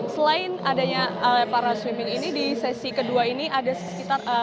selain adanya para swimming ini di sesi kedua ini ada sekitar